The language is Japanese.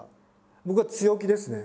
僕は強気ですね。